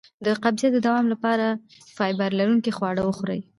د قبضیت د دوام لپاره فایبر لرونکي خواړه وخورئ